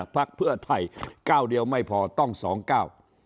พักเพื่อไทยก้าวเดียวไม่พอต้องสองเก้า